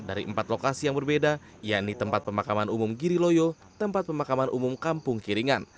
dari empat lokasi yang berbeda yakni tempat pemakaman umum giriloyo tempat pemakaman umum kampung kiringan